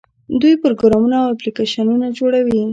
دوی پروګرامونه او اپلیکیشنونه جوړوي.